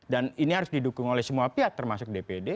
dan ini harus didukung oleh semua pihak termasuk dpd